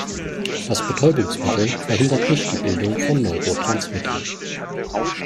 Das Betäubungsmittel verhindert nicht die Bildung von Neurotransmittern.